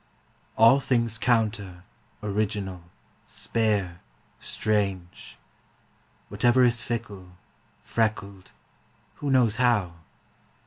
All things counter, original, spare, strange; Whatever is fickle, freckled (who knows how?)